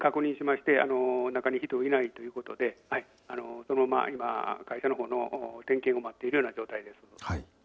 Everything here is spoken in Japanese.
発生後に確認しまして中に人はいないということでこのまま今、会社の方の点検を待っているような状態です。